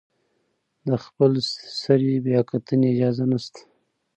د خپلسرې بیاکتنې اجازه نشته.